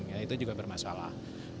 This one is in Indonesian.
ya itu juga bermasalah